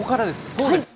そうです。